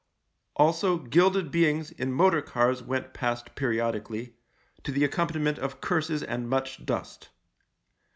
Also gilded beings in motor cars went past periodically, to the accompaniment of curses and much dust.